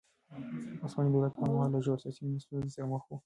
عثماني دولت هغه مهال له ژورو سياسي ستونزو سره مخ و.